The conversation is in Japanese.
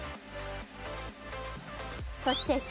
そしてＣ